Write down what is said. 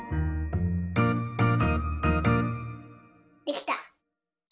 できた！